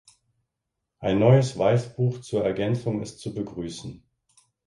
Ein neues Weißbuch zur Ergänzung ist zu begrüßen.